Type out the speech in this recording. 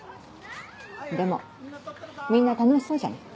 でもみんな楽しそうじゃない。